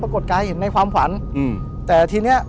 ผมก็ไม่เคยเห็นว่าคุณจะมาทำอะไรให้คุณหรือเปล่า